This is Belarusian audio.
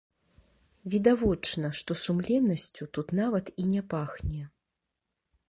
Відавочна, што сумленнасцю тут нават не пахне.